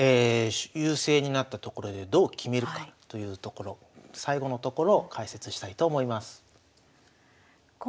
優勢になったところでどう決めるかというところ最後のところを解説したいと思います。